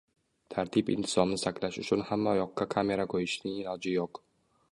Tartib-intizomni saqlash uchun hamma yoqqa kamera qo‘yishning iloji yo‘q.